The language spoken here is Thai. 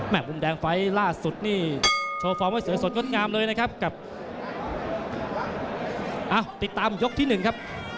มุมแดงไฟล์ล่าสุดนี่โชว์ฟอร์มไว้สวยสดงดงามเลยนะครับกับติดตามยกที่หนึ่งครับ